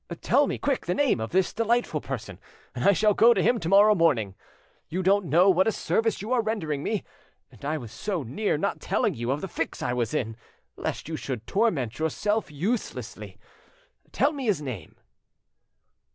"Tell me quick the name of this delightful person, and I shall go to him to morrow morning. You don't know what a service you are rendering me. And I was so near not telling you of the fix I was in, lest you should torment yourself uselessly. Tell me his name."